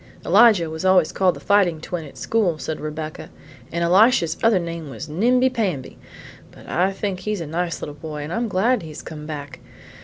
"Elijah was always called the fighting twin' at school," said Rebecca, "and Elisha's other name was Nimbi Pamby; but I think he's a nice little boy, and I'm glad he has come back.